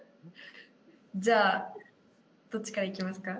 じゃあどっちからいきますか？